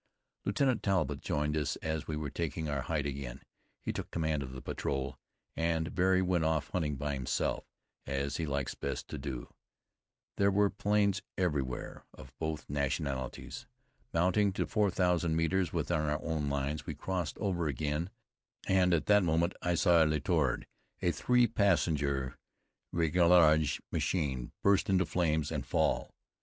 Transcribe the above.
] Lieutenant Talbott joined us as we were taking our height again. He took command of the patrol and Barry went off hunting by himself, as he likes best to do. There were planes everywhere, of both nationalities. Mounting to four thousand metres within our own lines, we crossed over again, and at that moment I saw a Letord, a three passenger réglage machine, burst into flames and fall.